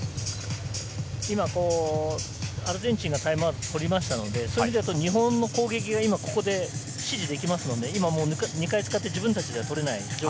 今アルゼンチンがタイムアウトを取りましたので、日本の攻撃が指示できますので、今２回使って自分たちでは取れない。